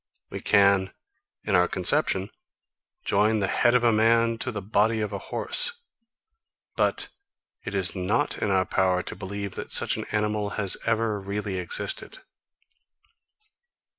We can, in our conception, join the head of a man to the body of a horse; but it is not in our power to believe that such an animal has ever really existed.